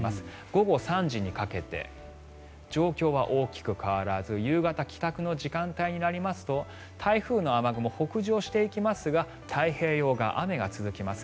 午後３時にかけて状況は大きく変わらず夕方、帰宅の時間帯になりますと台風の雨雲、北上していきますが太平洋側は雨が続きます。